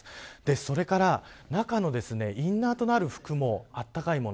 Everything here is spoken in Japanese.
それから中のインナーとなる服もあったかいもの。